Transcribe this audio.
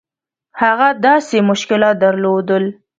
هغه داسې مشکلات درلودل.